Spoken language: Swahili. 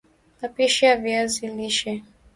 mapishi ya viazi lishe